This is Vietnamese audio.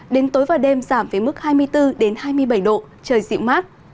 đến tối và đêm giảm với mức hai mươi bốn hai mươi bảy độ trời dịu mát